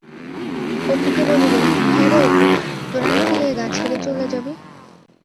অপুকে বলিল, হ্যাঁরে অপু, তোরা নাকি এ গাঁ ছেড়ে চলে যাবি?